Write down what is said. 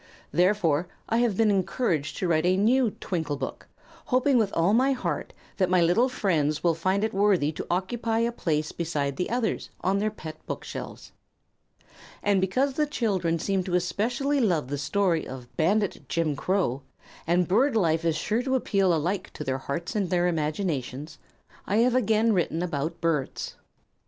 Therefore I have been encouraged to write a new "TWINKLE BOOK," hoping with all my heart that my little friends will find it worthy to occupy a place beside the others on their pet bookshelves. And because the children seem to especially love the story of "Bandit Jim Crow," and bird life is sure to appeal alike to their hearts and their imaginations, I have again written about birds.